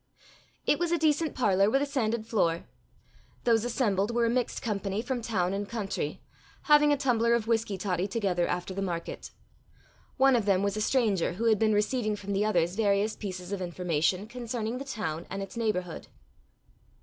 It was a decent parlour with a sanded floor. Those assembled were a mixed company from town and country, having a tumbler of whisky toddy together after the market. One of them was a stranger who had been receiving from the others various pieces of information concerning the town and its neighbourhood.